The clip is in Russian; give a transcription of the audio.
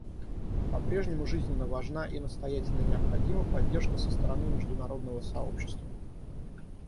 По-прежнему жизненно важна и настоятельно необходима поддержка со стороны международного сообщества.